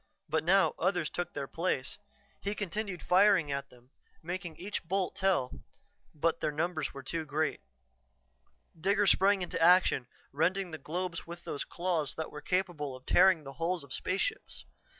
But now others took their place; he continued firing at them, making each bolt tell, but the numbers were too great. Digger sprang into action, rending the globes with those claws that were capable of tearing the hulls of spaceships.